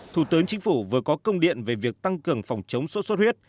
thủ tướng chính phủ vừa có công điện về việc tăng cường phòng chống sốt xuất huyết